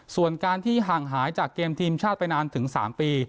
ส่วนการที่ห่างหายจากเกมทีมชาติไปนานถึง๓ปี